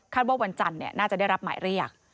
ว่าวันจันทร์น่าจะได้รับหมายเรียก